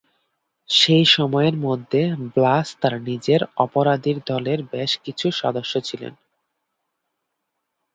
সেই সময়ের মধ্যে, ব্লাস তার নিজের অপরাধী দলের বেশ কিছু সদস্য ছিল।